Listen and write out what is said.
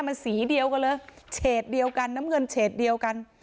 มันสีเดียวกันเลยเฉดเดียวกันน้ำเงินเฉดเดียวกัน